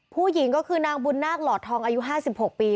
ผู้หญิงก็คือนางบุญนาคหลอดทองอายุ๕๖ปี